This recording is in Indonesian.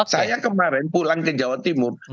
saya kemarin pulang ke jawa timur